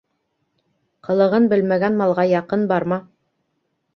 Ҡылығын белмәгән малға яҡын барма.